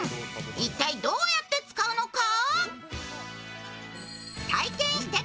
一体どうやって使うのか。